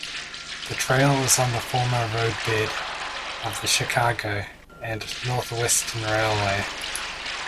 The trail is on the former roadbed of the Chicago and North Western Railway.